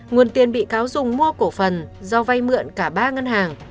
nguồn tiền bị cáo dùng mua cổ phần do vay mượn cả ba ngân hàng